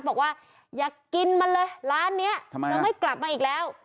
บอกว่าอย่ากินมันเลยร้านนี้ทำไมยังไม่กลับมาอีกแล้ว